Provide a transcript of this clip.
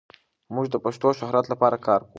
موږ د پښتو د شهرت لپاره کار کوو.